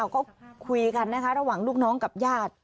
ก็คุยกันนะคะระหว่างลูกน้องกับญาติ